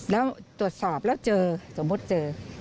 แล้วตรวจสอบแล้วเจอสมมุติเจอ